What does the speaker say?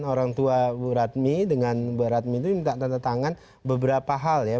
orang tua bu radmi dengan bu radmi itu minta tanda tangan beberapa hal ya